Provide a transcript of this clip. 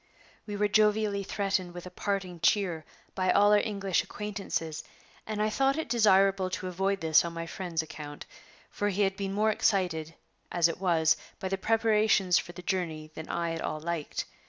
We were jovially threatened with "a parting cheer" by all our English acquaintances, and I thought it desirable to avoid this on my friend's account; for he had been more excited, as it was, by the preparations for the journey than I at all liked.